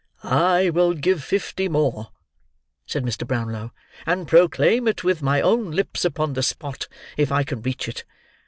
"I will give fifty more," said Mr. Brownlow, "and proclaim it with my own lips upon the spot, if I can reach it.